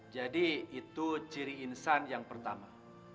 jadi itu ciri insan yang pertama